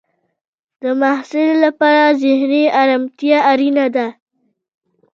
د محصل لپاره ذهنی ارامتیا اړینه ده.